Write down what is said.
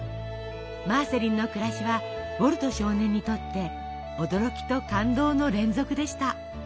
マーセリンの暮らしはウォルト少年にとって驚きと感動の連続でした。